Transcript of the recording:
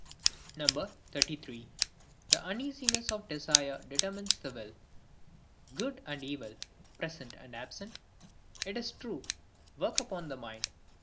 33. The Uneasiness of Desire determines the Will. Good and evil, present and absent, it is true, work upon the mind.